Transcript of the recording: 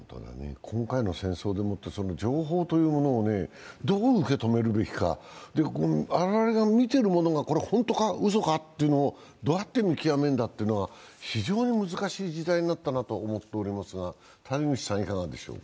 今回の戦争でもって、情報というものをどう受け止めるべきか我々が見ているものが本当か、うそかというのをどうやって見極めるのかが非常に難しい時代になったなと思っております。